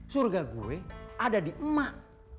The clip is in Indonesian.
surga gue ada di emak